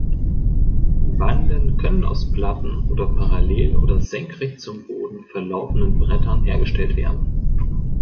Banden können aus Platten oder parallel oder senkrecht zum Boden verlaufenden Brettern hergestellt werden.